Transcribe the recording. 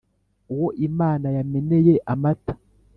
uwo imana yameneye amata